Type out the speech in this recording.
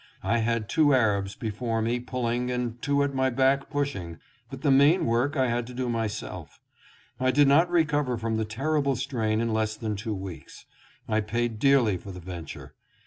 I had two Arabs before me pulling, and two at my back pushing, but the main work I had to do myself. I did not recover from the terrible strain in less than two weeks. I paid dearly for the venture.